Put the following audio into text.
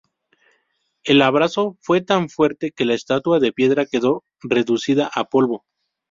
El abrazo fue tan fuerte que la estatua de piedra quedó reducida a polvo.